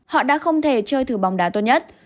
họ đã không thể chơi thử bóng đá tốt nhất